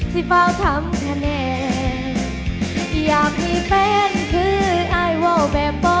ที่เปล่าทำแทนแห่งอยากมีแฟนคือไอว่าแบบบ่